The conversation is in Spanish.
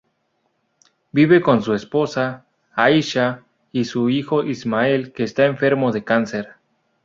Vive con su esposa, Aisha, y su hijo, Ismael, que está enfermo de cáncer.